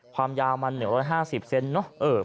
ความยาวมัน๑๕๐เซนเนอะ